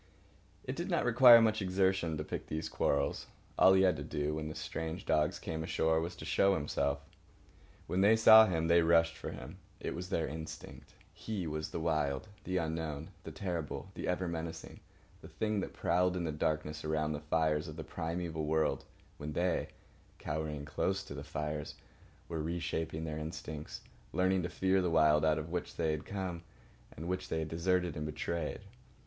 It did not require much exertion to pick these quarrels. All he had to do, when the strange dogs came ashore, was to show himself. When they saw him they rushed for him. It was their instinct. He was the Wild—the unknown, the terrible, the ever menacing, the thing that prowled in the darkness around the fires of the primeval world when they, cowering close to the fires, were reshaping their instincts, learning to fear the Wild out of which they had come, and which they had deserted and betrayed.